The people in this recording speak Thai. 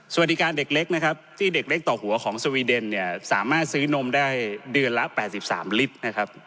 สวัสดีการเด็กเล็กนะครับที่เด็กเล็กต่อหัวของสวีเดนเนี่ยสามารถซื้อนมได้เดือนละ๘๓ลิตรนะครับ